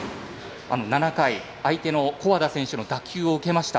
７回、相手の古和田選手の打球を受けました。